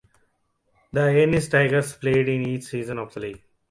The Ennis Tigers played in each season of the league.